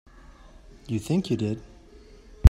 You think you did.